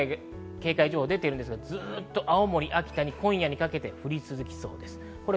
土砂災害警戒情報が出ていますが、ずっと青森、秋田に今夜にかけて降り続くそうです。